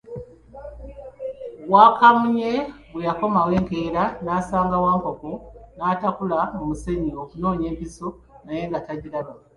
Wakamunye bwe yakomawo enkeera, n'asanga Wankoko ng'atakula mu musenyu okunoonya empiso naye nga tagiraba.